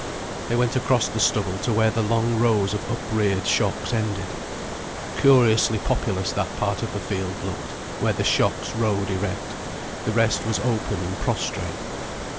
They went across the stubble to where the long rows of upreared shocks ended. Curiously populous that part of the field looked, where the shocks rode erect; the rest was open and prostrate.